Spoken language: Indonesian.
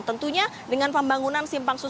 tentunya dengan pembangunan simpang susun